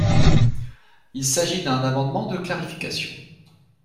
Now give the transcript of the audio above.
Il s’agit d’un amendement de clarification.